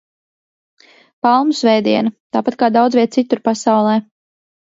Palmu svētdiena, tāpat kā daudzviet citur pasaulē.